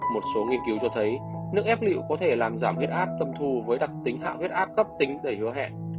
một số nghiên cứu cho thấy nước ép liệu có thể làm giảm huyết áp tâm thù với đặc tính hạng huyết áp cấp tính đầy hứa hẹn